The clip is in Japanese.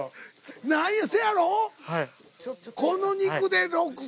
何やせやろ。